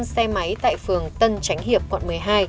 năm xe máy tại phường tân tránh hiệp quận một mươi hai